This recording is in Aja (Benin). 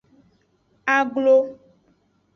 Aglo.